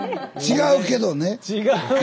違うけど。